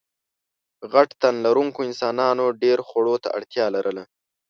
غټ تنلرونکو انسانانو ډېرو خوړو ته اړتیا لرله.